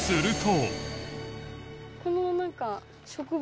この何か。